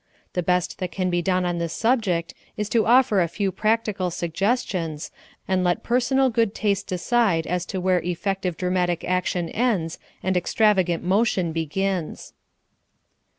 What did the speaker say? The best that can be done on this subject is to offer a few practical suggestions, and let personal good taste decide as to where effective dramatic action ends and extravagant motion begins.